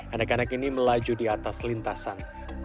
anak anak ini melaju di atas lintasan